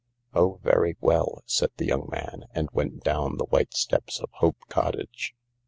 " very well," said the young man, and went down the white steps of Hope Cottage.